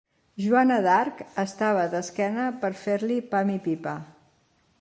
Joana d'Arc estava d'esquena per fer-li pam-i-pipa.